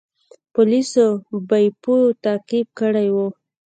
پولیسو بیپو تعقیب کړی و.